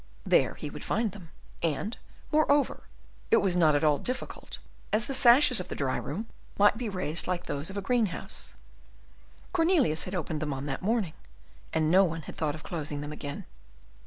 There he would find them, and, moreover, it was not at all difficult, as the sashes of the dry room might be raised like those of a greenhouse. Cornelius had opened them on that morning, and no one had thought of closing them again.